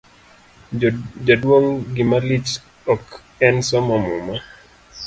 jaduong' gimalich ok en somo muma